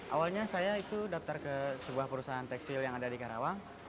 awalnya saya itu daftar ke sebuah perusahaan tekstil yang ada di karawang